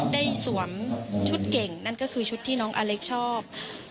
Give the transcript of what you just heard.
สวมชุดเก่งนั่นก็คือชุดที่น้องอเล็กซ์ชอบ